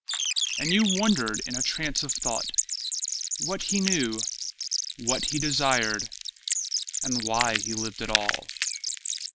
And you wondered in a trance of thought What he knew, what he desired, and why he lived at all.